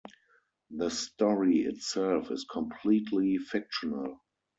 The story itself is completely fictional.